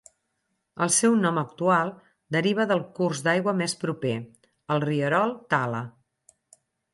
El seu nom actual deriva del curs d'aigua més proper, el rierol Tala.